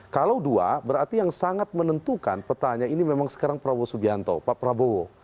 kalau dua berarti yang sangat menentukan petanya ini memang sekarang prabowo subianto pak prabowo